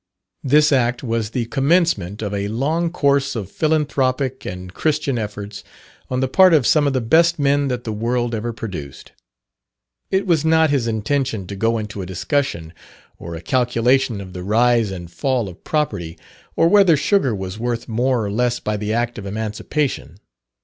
This act was the commencement of a long course of philanthropic and Christian efforts on the part of some of the best men that the world ever produced. It was not his intention to go into a discussion or a calculation of the rise and fall of property, or whether sugar was worth more or less by the act of emancipation.